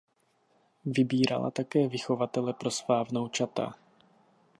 Vybírala také vychovatele pro svá vnoučata.